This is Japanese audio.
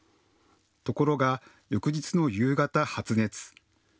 ところが翌日の夕方、発熱。